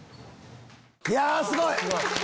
いやすごい！